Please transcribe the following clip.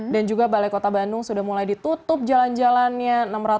dan juga balai kota bandung sudah mulai ditutup jalan jalannya